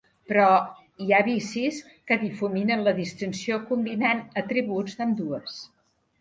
Però hi ha bicis que difuminen la distinció combinant atributs d'ambdues.